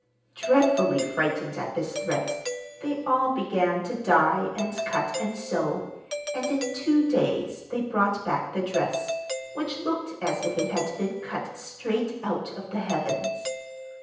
Dreadfully frightened at this threat, they all began to dye and cut and sew, and in two days they brought back the dress, which looked as if it had been cut straight out of the heavens!